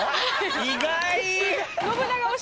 意外。